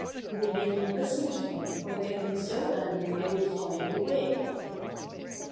He would make them listen to him or get them so angry they would fly away.